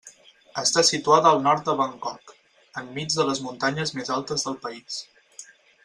Està situada al nord de Bangkok, enmig de les muntanyes més altes del país.